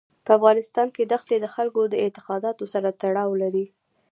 په افغانستان کې دښتې د خلکو د اعتقاداتو سره تړاو لري.